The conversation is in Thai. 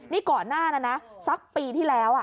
นี่ก่อนหน้านั้นนะสักปีที่แล้ว